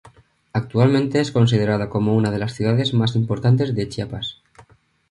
Actualmente es considerada como una de las ciudades más importantes de Chiapas.